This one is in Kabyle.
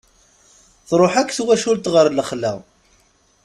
Truḥ akk twacult ɣer lexla.